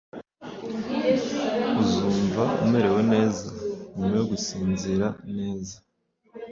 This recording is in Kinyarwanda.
Uzumva umerewe neza nyuma yo gusinzira neza